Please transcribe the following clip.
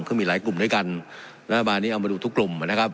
ก็มีหลายกลุ่มด้วยกันรัฐบาลนี้เอามาดูทุกกลุ่มนะครับ